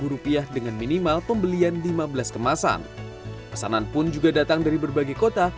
rupiah dengan minimal pembelian lima belas kemasan pesanan pun juga datang dari berbagai kota